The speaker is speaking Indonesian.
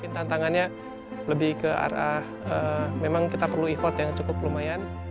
tantangannya lebih ke arah memang kita perlu effort yang cukup lumayan